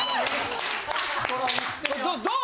どう？